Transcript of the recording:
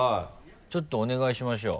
ちょっとお願いしましょう。